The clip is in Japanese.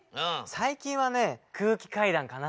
最近はね空気階段かな。